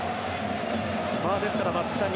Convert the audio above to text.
ですから、松木さん